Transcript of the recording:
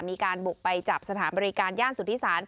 มีการบุกไปจับสถานบริการย่านสุธิศาล